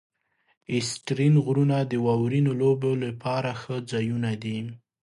آسټرین غرونه د واورینو لوبو لپاره ښه ځایونه دي.